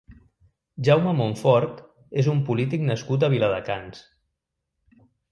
Jaume Montfort és un polític nascut a Viladecans.